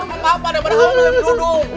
lu kenapa daripada kamu mirip dudung